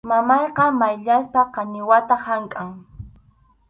Mamayqa mayllasqa qañiwata hamkʼan.